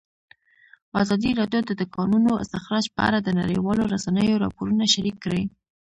ازادي راډیو د د کانونو استخراج په اړه د نړیوالو رسنیو راپورونه شریک کړي.